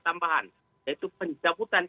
tambahan yaitu pencabutan